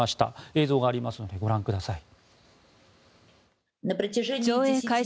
映像がありますのでご覧ください。